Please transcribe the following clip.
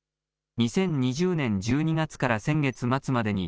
２０２０年１２月から先月末までに、